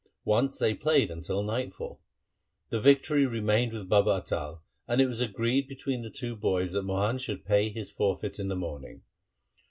Once they played until nightfall. The victory remained with Baba Atal, and it was agreed between the two boys that Mohan should pay his forfeit in the morning.